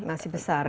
masih besar ya